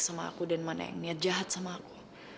sama aku dan mana yang niat jahat sama aku